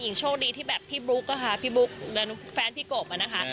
หญิงโชคดีที่แบบพี่บุ๊กนะคะพี่บุ๊กแล้วแฟนพี่โกบมานะคะ